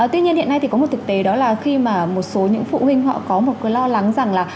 tuy nhiên hiện nay thì có một thực tế đó là khi mà một số những phụ huynh họ có một lo lắng rằng là